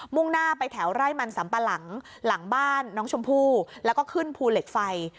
่งหน้าไปแถวไร่มันสัมปะหลังหลังบ้านน้องชมพู่แล้วก็ขึ้นภูเหล็กไฟ